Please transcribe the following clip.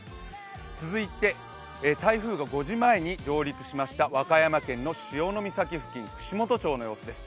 続いて、台風が５時前に上陸しました和歌山県の潮岬付近、串本町付近です。